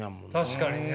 確かにね。